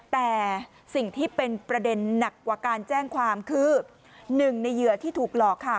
แต่สิ่งที่เป็นประเด็นหนักกว่าการแจ้งความคือหนึ่งในเหยื่อที่ถูกหลอกค่ะ